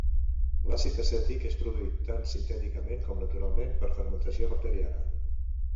L'àcid acètic és produït tant sintèticament com naturalment per fermentació bacteriana.